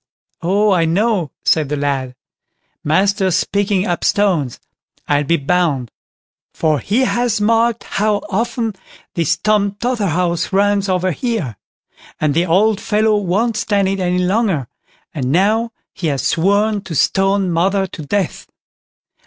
"Oh, I know", said the lad, "master's picking up stones, I'll be bound; for he has marked how often this Tom Totherhouse runs over here; and the old fellow won't stand it any longer; and now he has sworn to stone mother to death."